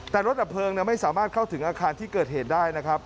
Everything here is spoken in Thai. แต่รถดับเพลิงไม่สามารถเข้าถึงอาคารที่เกิดเหตุได้นะครับ